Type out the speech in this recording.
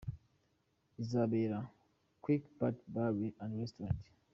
Bizabera : Quelque Part Bar &Restaurant.